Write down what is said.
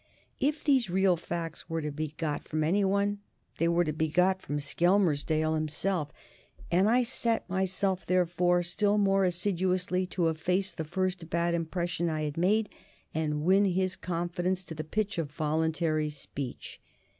If these real facts were to be got from any one, they were to be got from Skelmersdale himself; and I set myself, therefore, still more assiduously to efface the first bad impression I had made and win his confidence to the pitch of voluntary speech.